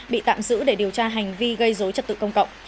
bị tạm giữ để điều tra hành vi gây dối trật tự công cộng